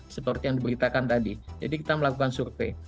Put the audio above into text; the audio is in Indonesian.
seperti yang diberitakan tadi jadi kita melakukan survei